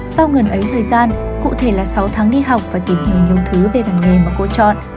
sau ngần ấy thời gian cụ thể là sáu tháng đi học và tìm hiểu nhiều thứ về văn nghề mà cô chọn